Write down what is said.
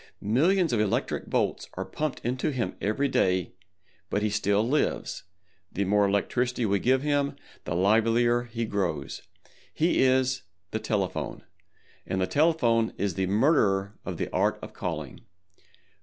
Millions of electric volts are pumped into him every day, but he still lives—the more electricity we give him the livelier he grows. He is the Telephone, and the Telephone is the murderer of the Art of Calling.